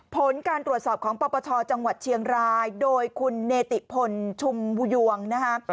ผลการตรวจสอบของปปชจังหวัดเชียงรายโดยคุณเนติพลชุมบูยวงนะคะ